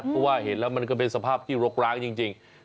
เพราะว่าเห็นแล้วมันก็เป็นสภาพที่รกร้างจริง